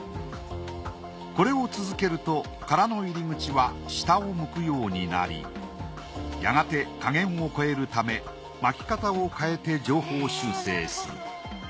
これを続けると殻の入り口は下を向くようになりやがて下限を超えるため巻き方を変えて上方修正する。